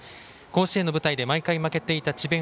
甲子園の舞台で毎回負けていた智弁